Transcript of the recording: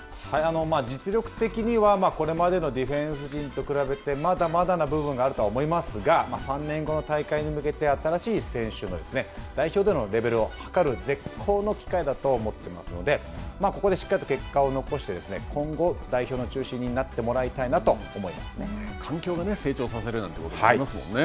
実力的には、これまでのディフェンス陣と比べてまだまだな部分があると思いますが、３年後の大会に向けて、新しい選手の代表でのレベルをはかる絶好の機会だと思っていますので、ここでしっかりと結果を残して、今後、代表の中心になってもらいたいなと思い環境が成長させるということもありますもんね。